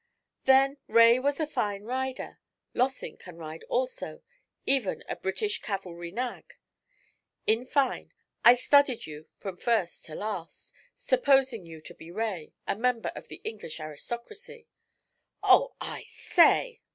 'Then Rae was a fine rider. Lossing can ride also, even a British cavalry nag. In fine, I studied you from first to last, supposing you to be Rae, a member of the English aristocracy.' 'Oh, I say!'